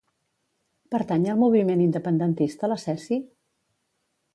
Pertany al moviment independentista la Ceci?